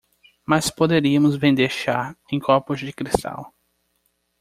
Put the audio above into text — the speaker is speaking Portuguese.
Mas poderíamos vender chá em copos de cristal.